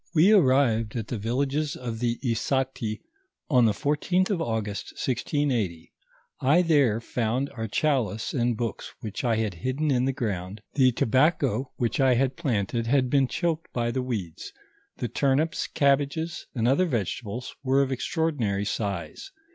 We arrived at the villages of the Issati on the 14th of Au gust, 1680. I there found our chalice and books which I had hidden in the ground ; the tobacco which I had planted, had been choked by the weeds ; the turnips, cabbages, and other vegetables were of extraordinary size.